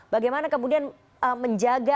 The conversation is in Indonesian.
bagaimana kemudian menjaga